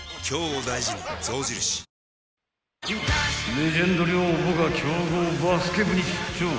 ［レジェンド寮母が強豪バスケ部に出張］